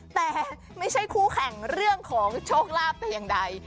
แต่ไม่ใช่คู่แข่งเรื่องของโชคลาภแต่อย่างใด